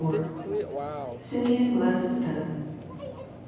— [Simeon blessed them.